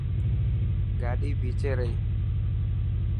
گاڏي ڀيچي رهي.